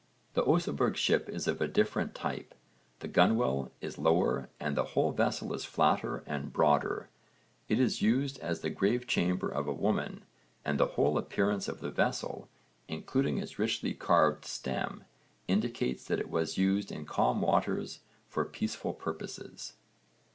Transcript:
The Oseberg ship is of a different type. The gunwale is lower and the whole vessel is flatter and broader. It is used as the grave chamber of a woman, and the whole appearance of the vessel, including its richly carved stem, indicates that it was used in calm waters for peaceful purposes.